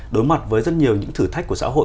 đối mặt với rất nhiều những thử thách của xã hội